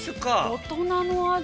◆大人の味。